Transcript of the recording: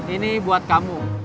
ini buat kamu